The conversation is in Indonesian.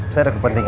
saya ada kepentingan